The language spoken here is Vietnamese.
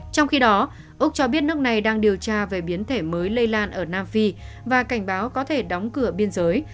trong khi đó úc cho biết nước này đang điều tra về biến thể mới lây lan ở nam phi và cảnh báo có thể đóng cửa biên giới